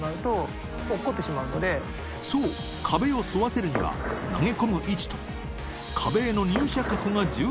磴修壁を沿わせるには投げ込む位置と匹悗瞭⑿由